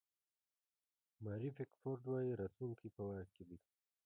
ماري پیکفورډ وایي راتلونکی په واک کې دی.